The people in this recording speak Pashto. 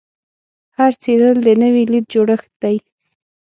هر څیرل د نوې لید جوړښت دی.